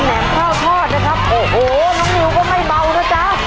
แหมข้าวทอดนะครับโอ้โหน้องนิวก็ไม่เบานะจ๊ะ